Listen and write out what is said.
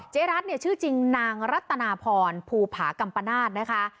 รัฐเนี่ยชื่อจริงนางรัตนาพรภูผากัมปนาศนะคะ